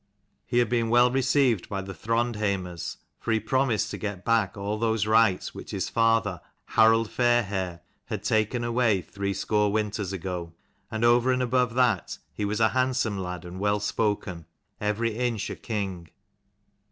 He had been well (received by the Throndheimers, for he promised them to get back all those rights which his father Harald Fairhair had taken away threescore winters ago : and over and above that he was a handsome lad and well spoken, every inch a king.